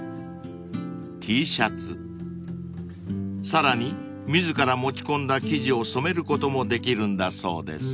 ［さらに自ら持ち込んだ生地を染めることもできるんだそうです］